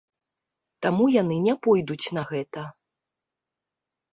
Таму яны не пойдуць на гэта.